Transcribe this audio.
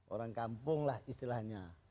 orang kampung lah istilahnya